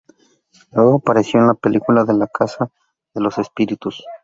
Luego apareció en la película La casa de los espíritus.